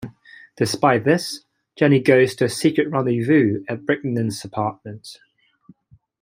Despite this, Jenny goes to a secret rendezvous at Brignon's apartment.